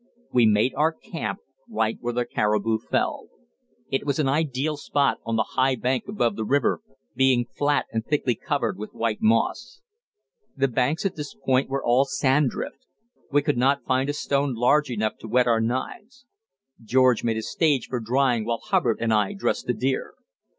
We made our camp right where the caribou fell. It was an ideal spot on the high bank above the river, being flat and thickly covered with white moss. The banks at this point were all sand drift; we could not find a stone large enough to whet our knives. George made a stage for drying while Hubbard and I dressed the deer.